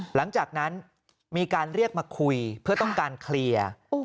หลังจากนั้นมีการเรียกมาคุยเพื่อต้องการเคลียร์